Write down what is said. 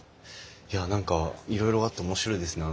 いや何かいろいろあって面白いですね。